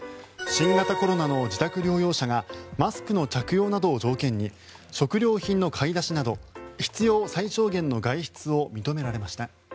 新型コロナの自宅療養者がマスクの着用などを条件に食料品の買い出しなど必要最小限の外出を認められました。